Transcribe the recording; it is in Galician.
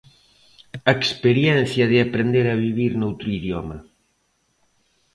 A experiencia de aprender a vivir noutro idioma.